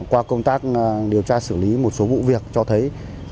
qua công tác điều tra xử lý một số vụ việc cho thấy